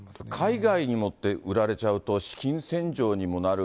海外に持って売られちゃうと、資金洗浄にもなる。